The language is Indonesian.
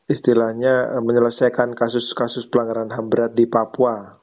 istilahnya menyelesaikan kasus kasus pelanggaran ham berat di papua